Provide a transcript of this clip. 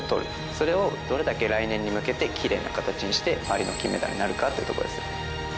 それをどれだけ来年に向けてきれいな形にしてパリの金メダルになるかというところですね。